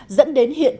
dẫn đến hiện tại